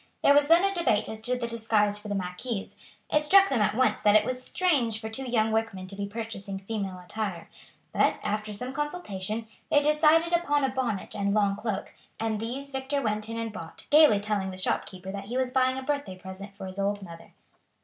There was then a debate as to the disguise for the marquise; it struck them at once that it was strange for two young workmen to be purchasing female attire, but, after some consultation, they decided upon a bonnet and long cloak, and these Victor went in and bought, gaily telling the shopkeeper that he was buying a birthday present for his old mother.